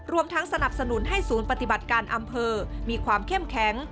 รวมทั้งสนับสนุนให้ศูนย์ปฏิบัติการอำเภอมีความเข้มแข็ง